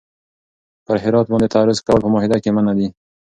پر هرات باندې تعرض کول په معاهده کي منع دي.